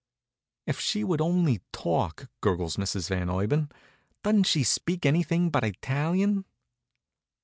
"If she would only talk!" gurgles Mrs. Van Urban. "Doesn't she speak anything but Italian?"